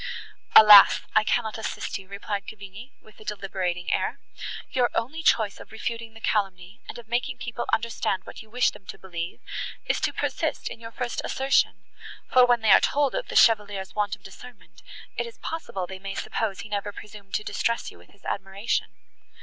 "Alas! I cannot assist you," replied Cavigni, with a deliberating air. "Your only chance of refuting the calumny, and of making people understand what you wish them to believe, is to persist in your first assertion; for, when they are told of the Chevalier's want of discernment, it is possible they may suppose he never presumed to distress you with his admiration.